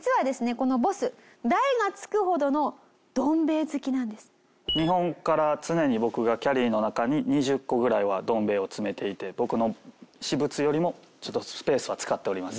このボス大がつくほどの日本から常に僕がキャリーの中に２０個ぐらいはどん兵衛を詰めていて僕の私物よりもちょっとスペースは使っております。